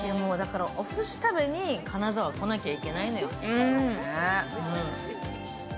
おすし食べに、金沢来なきゃいけないのよ。